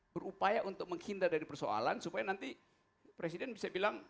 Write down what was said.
berupaya untuk menghindar dari persoalan supaya nanti presiden bisa bilang